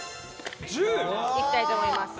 １０？いきたいと思います。